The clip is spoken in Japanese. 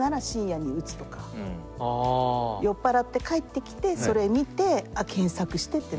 酔っ払って帰ってきてそれ見て検索してってなる。